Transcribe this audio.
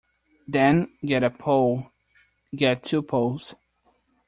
Then get a pole; get two poles.